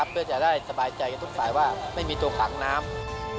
เพื่อจะได้สบายใจกับทุกสายว่าไม่มีตัวขังน้ำ